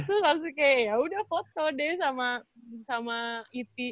itu langsung kayak yaudah foto deh sama e t